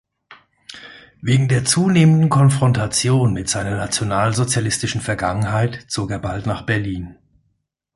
Wegen der zunehmenden Konfrontation mit seiner nationalsozialistischen Vergangenheit zog er bald nach Berlin.